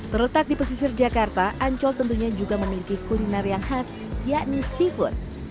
terletak di pesisir jakarta ancol tentunya juga memiliki kuliner yang khas yakni seafood